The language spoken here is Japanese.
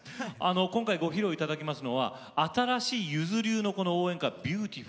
今回ご披露いただきますのは新しいゆず流の応援歌「ビューティフル」。